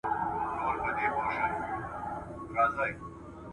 ښه نه راته ښکاري